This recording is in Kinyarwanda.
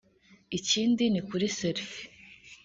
ikindi ni kuri selfie